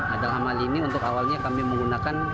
adalhamal ini untuk awalnya kami menggunakan